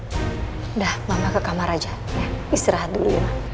udah mama ke kamar aja ya istirahat dulu ya